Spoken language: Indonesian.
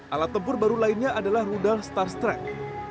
alat tempur baru lainnya adalah rudal starstrike